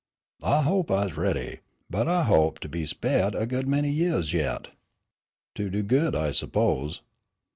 "I hope I's ready, but I hope to be spaihed a good many yeahs yit." "To do good, I suppose?"